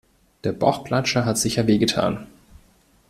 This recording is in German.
Der Bauchklatscher hat sicher wehgetan.